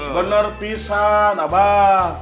bener pisan abah